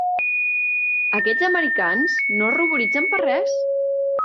Aquests americans no es ruboritzen per res.